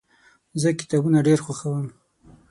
زه کتابونه ډیر خوښوم.